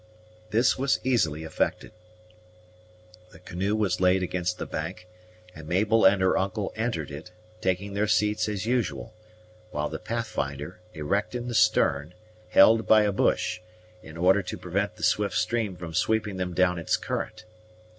This was easily effected. The canoe was laid against the bank, and Mabel and her uncle entered it, taking their seats as usual; while the Pathfinder, erect in the stern, held by a bush, in order to prevent the swift stream from sweeping them down its current.